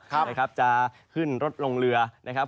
นะครับจะขึ้นรถลงเรือนะครับ